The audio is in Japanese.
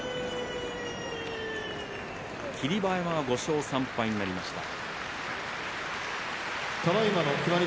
霧馬山は５勝３敗になりました。